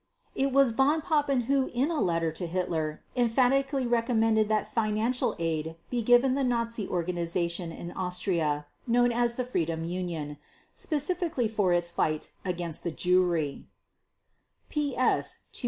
It was Von Papen who in a letter to Hitler emphatically recommended that financial aid be given the Nazi organization in Austria known as the "Freedom Union", specifically for "its fight against the Jewry" (PS 2830).